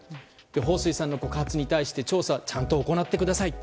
ホウ・スイさんの告発について調査をちゃんと行ってください。